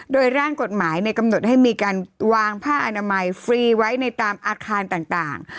โดยร่างกฎหมายในกำหนดให้มีการวางผ้าอนามัยฟรีไว้ในตามอาคารต่าง